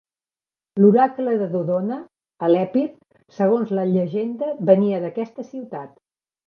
L'oracle de Dodona, a l'Epir, segons la llegenda venia d'aquesta ciutat.